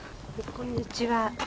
こんにちは。